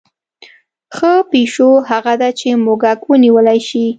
ښه پیشو هغه ده چې موږک ونیولی شي.